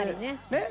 ねっ。